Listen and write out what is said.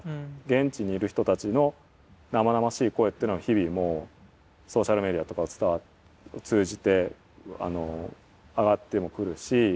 現地にいる人たちの生々しい声っていうのは日々もうソーシャルメディアとかを通じて上がってもくるし。